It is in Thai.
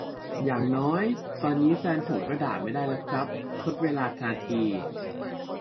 อย่างน้อยตอนนี้แฟนหงส์ก็ด่าไม่ได้แล้วครับ ทดเวลา นาที